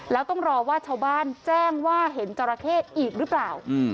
แล้วต้องรอว่าชาวบ้านแจ้งว่าเห็นจราเข้อีกหรือเปล่า